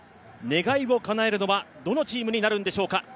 願いをかなえるのはどのチームになるんでしょうか。